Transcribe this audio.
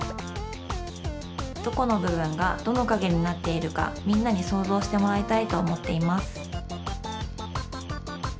どこのぶぶんがどのかげになっているかみんなにそうぞうしてもらいたいとおもっています。